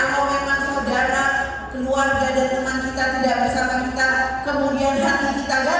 kalau memang saudara keluarga dan teman kita tidak bersama kita kemudian hati kita gagal